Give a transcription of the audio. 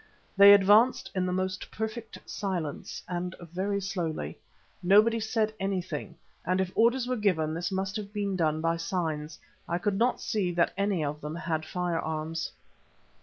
They advanced in the most perfect silence and very slowly. Nobody said anything, and if orders were given this must have been done by signs. I could not see that any of them had firearms.